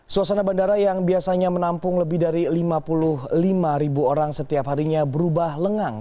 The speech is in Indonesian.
suasana bandara yang biasanya menampung lebih dari lima puluh lima ribu orang setiap harinya berubah lengang